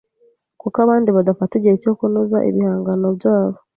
kuko abandi badafata igihe cyo kunoza ibihangano byabo